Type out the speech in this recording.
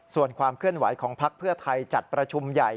ส่วนความเคลื่อนไหวของพักเพื่อไทยจัดประชุมใหญ่